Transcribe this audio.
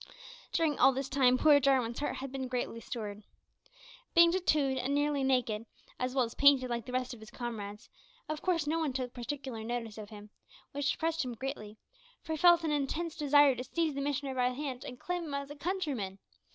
During all this time poor Jarwin's heart had been greatly stirred. Being tatooed, and nearly naked, as well as painted like the rest of his comrades, of course no one took particular notice of him, which depressed him greatly, for he felt an intense desire to seize the missionary by the hand, and claim him as a countryman.